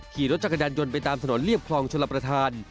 ขี่รถจักรยานยนต์ไปตามถนนเรียบคลองชลประธาน